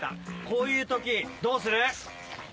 こういうときどうする？